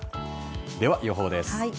では、予報です。